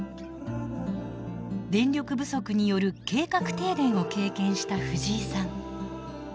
電力不足による計画停電を経験したフジイさん。